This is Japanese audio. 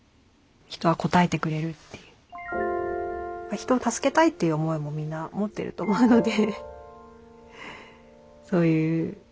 人を助けたいという思いもみんな持ってると思うので。